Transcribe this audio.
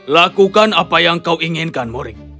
lakukan apa yang kau inginkan muri